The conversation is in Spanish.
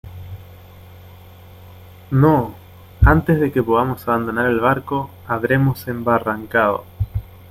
no, antes de que podamos abandonar el barco , habremos embarrancado ;